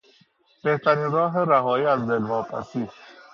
بهترین راه رهایی از دلواپسی